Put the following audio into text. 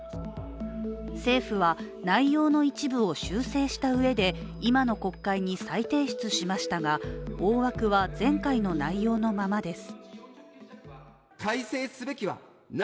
政府は内容の一部を修正したうえで今の国会に再提出しましたが大枠は前回の内容のままです。